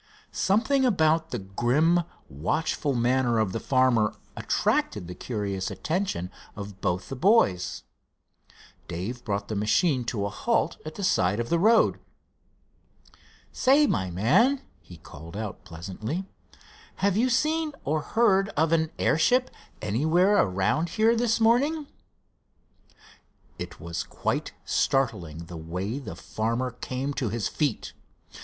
Something about the grim, watchful manner of the farmer attracted the curious attention of both of the boys. Dave brought the machine to a halt at the side of the road. "Say, my man," he called out, pleasantly, "have you seen or heard of an airship anywhere around here this morning?" It was quite startling the way the farmer came to his feet.